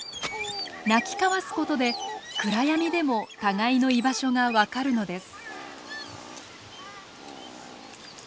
鳴き交わすことで暗闇でも互いの居場所が分かるのです。